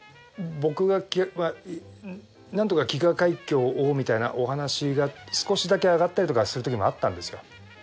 僕がなんとか『飢餓海峡』を追うみたいなお話が少しだけあがったりとかするときもあったんですよ。